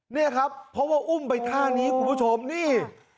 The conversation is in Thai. นี่ครับเพราะว่าอุ้มไปท่านี้คุณผู้ชมนี่